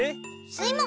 スイも。